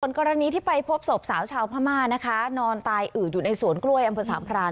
กรณีที่ไปพบศพสาวชาวพม่านะคะนอนตายอืดอยู่ในสวนกล้วยอำเภอสามพราน